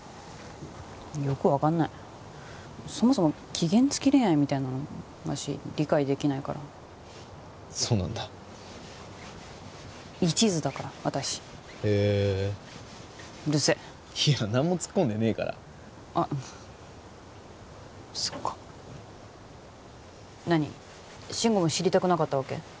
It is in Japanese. よく分かんないそもそも期限つき恋愛みたいなの私理解できないからそうなんだ一途だから私へえうるせいや何も突っ込んでねえからあっそっか何慎吾も知りたくなかったわけ？